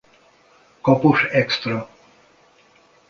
Kapos Extra.